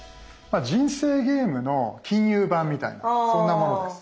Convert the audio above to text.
人生ゲームの金融版みたいなそんなものです。